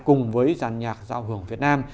cùng với giàn nhạc giao hưởng việt nam